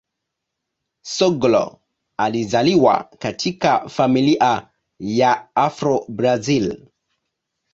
Soglo alizaliwa katika familia ya Afro-Brazil.